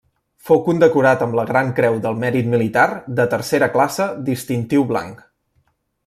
Fou condecorat amb la Gran Creu del Mèrit Militar de tercera classe distintiu blanc.